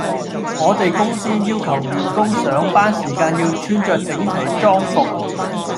我哋公司要求員工上班時間要穿著整齊裝服